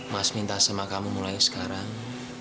mas minta sama kamu mulai sekarang